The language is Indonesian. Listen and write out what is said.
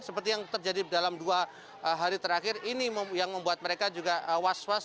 seperti yang terjadi dalam dua hari terakhir ini yang membuat mereka juga was was